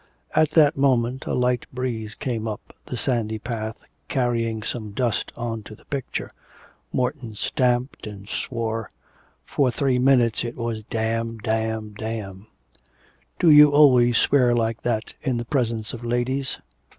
At that moment a light breeze came up the sandy path, carrying some dust on to the picture. Morton stamped and swore. For three minutes it was damn, damn, damn. 'Do you always swear like that in the presence of ladies?'